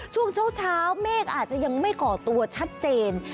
ช่วงเช้าเมฆอาจจะยังไม่ก่อตัวชัดเจน